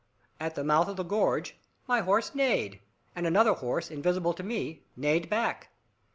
At the mouth of the gorge, my horse neighed, and another horse, invisible to me, neighed back.